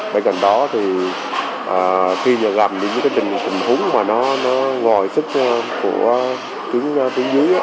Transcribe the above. bên cạnh đó thì khi gặp những tình hùng húng mà nó gòi sức của tiến dưới